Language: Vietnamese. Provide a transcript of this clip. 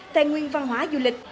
tài nguyên văn hóa du lịch